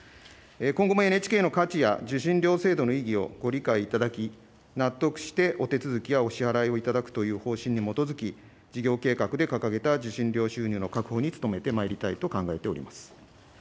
今後もＮＨＫの価値や受信料制度の意義をご理解いただき、納得してお手続きやお支払いをいただくという方針に基づき、事業計画で掲げた受信料収入の確保に努めてまいりたいと考えております。